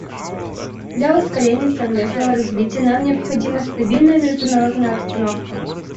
Для ускорения совместного развития нам необходима стабильная международная обстановка.